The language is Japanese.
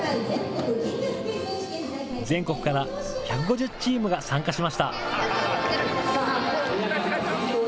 全国から１５０チームが参加しました。